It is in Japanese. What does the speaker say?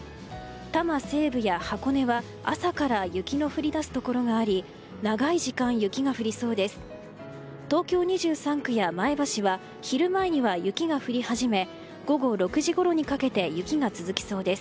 多摩西部や箱根は朝から雪の降り出すところがあり長い時間、雪が降りそうです。